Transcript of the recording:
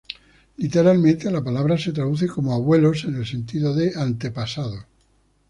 Literalmente, la palabra se traduce como "abuelos", en el sentido de "antepasados".